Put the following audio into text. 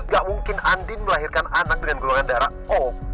gak mungkin andin melahirkan anak dengan golongan darah o